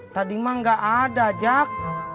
tadi mah gak ada jak